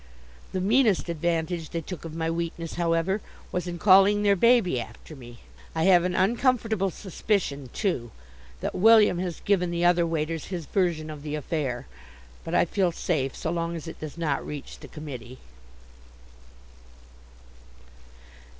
The meanest advantage they took of my weakness, however, was in calling their baby after me. I have an uncomfortable suspicion, too, that William has given the other waiters his version of the affair, but I feel safe so long as it does not reach the committee.